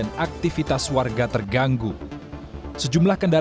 dari suatu sungai atau saluran air